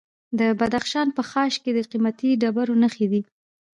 د بدخشان په خاش کې د قیمتي ډبرو نښې دي.